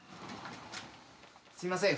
すいません。